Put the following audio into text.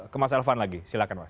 ke mas elvan lagi silahkan mas